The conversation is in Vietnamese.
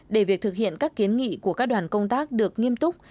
để việc thực hiện các kiến nghị của các đoàn công tác được nghiêm túc